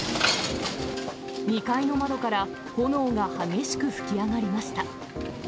２階の窓から、炎が激しく噴き上がりました。